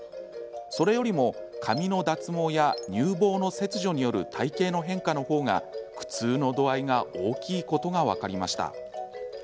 それよりも髪の脱毛や乳房の切除による体形の変化の方が苦痛の度合いが大きいことが分かりました。